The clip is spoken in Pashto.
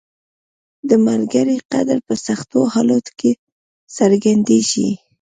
• د ملګري قدر په سختو حالاتو کې څرګندیږي.